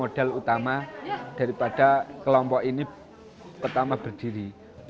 modal utama daripada kelompok ini pertama berdiri